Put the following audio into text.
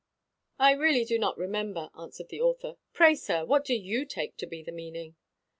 "I really do not remember," answered the author. "Pray, sir, what do you take to be the meaning?"